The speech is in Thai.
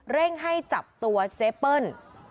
เร่งให้จับตัวเจเปิ้ล